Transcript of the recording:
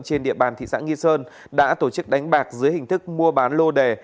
trên địa bàn thị xã nghi sơn đã tổ chức đánh bạc dưới hình thức mua bán lô đề